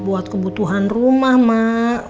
buat kebutuhan rumah mak